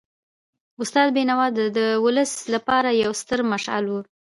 استاد بینوا د ولس لپاره یو ستر مشعل و.